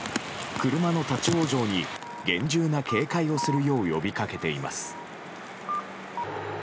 車の立ち往生に厳重な警戒をするよう呼び掛けています。